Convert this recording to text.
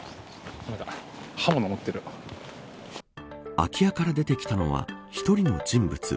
空き家から出てきたのは１人の人物。